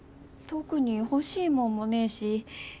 特に欲しいもんもねえし。